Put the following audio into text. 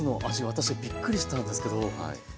私はびっくりしたんですけど。